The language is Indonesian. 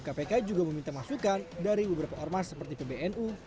panitia seleksi calon kpk juga meminta masukan dari beberapa ormas seperti pbnu